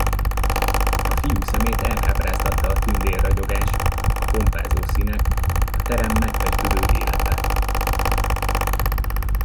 A fiú szemét elkápráztatta a tündér ragyogás, a pompázó színek, a terem megpezsdülő élete.